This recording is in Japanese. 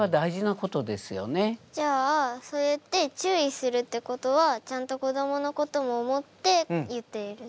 じゃあそうやって注意するってことはちゃんと子どものことも思って言っている？